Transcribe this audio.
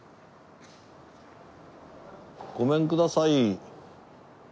ごめんください！